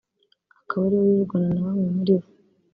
akaba ari we wirirwana na bamwe muri bo